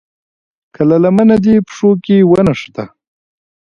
که لمنه دې پښو کې ونښته.